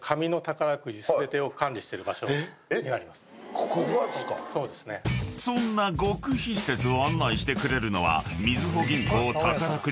ここがっすか⁉［そんな極秘施設を案内してくれるのは］